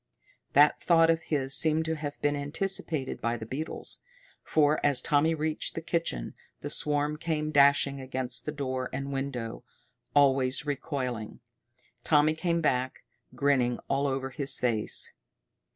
That thought of his seemed to have been anticipated by the beetles, for as Tommy reached the kitchen the swarm came dashing against door and window, always recoiling. Tommy came back, grinning all over his face.